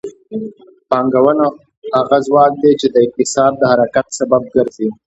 پانګونه هغه ځواک دی چې د اقتصاد د حرکت سبب ګرځي.